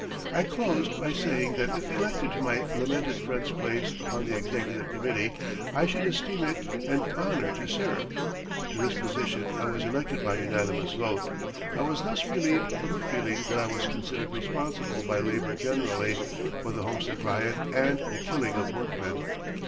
I closed by saying that if elected to my lamented friend's place upon the Executive Committee I should esteem it an honor to serve. To this position I was elected by unanimous vote. I was thus relieved from the feeling that I was considered responsible by labor generally, for the Homestead riot and the killing of workmen.